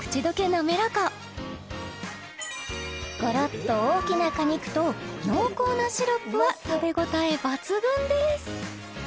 滑らかゴロッと大きな果肉と濃厚なシロップは食べ応え抜群です！